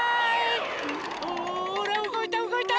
ほらうごいたうごいた！